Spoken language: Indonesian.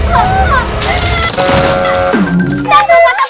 palingan juga aduh